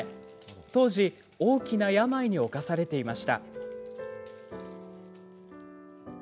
当時大きな病に冒されていました。